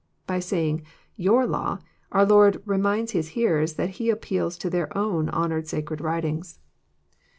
By saying " yonr law," onf Lord reminds His hearers that He appeals to theu* own honoured sacred writings.